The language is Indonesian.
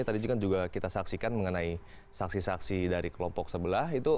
tadi juga kita saksikan mengenai saksi saksi dari kelompok sebelah